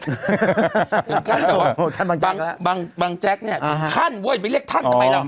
ถึงขนาดนั้นแหละว่าบางแจ๊กเนี่ยท่านเว้ยไม่เรียกท่านทำไมแล้ว